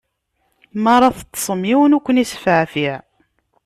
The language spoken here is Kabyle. Mi ara teṭṭṣem, yiwen ur kwen-isfeɛfiɛ.